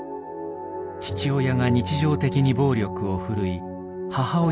父親が日常的に暴力を振るい母親が助長。